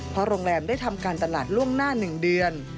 เพราะโรงแรมได้ทำการตลาดล่วงหน้า๑เดือน